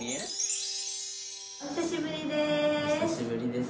お久しぶりです！